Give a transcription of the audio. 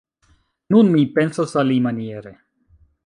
Nun mi pensas alimaniere.